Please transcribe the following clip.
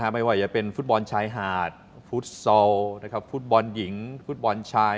ไม่ว่าจะเป็นฟุตบอลชายหาดฟุตซอลฟุตบอลหญิงฟุตบอลชาย